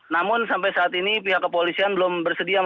namun sampai saat ini pihak kepolisian belum bersedia membahasnya